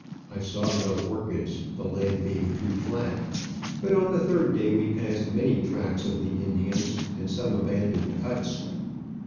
I saw no orchids, the land being too flat; but on the third day we passed many tracks of the Indians, and some abandoned huts.